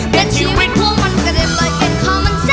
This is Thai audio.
เป็นชีวิตทวงมั่นกระเด็นไหลเป็นของมันซะ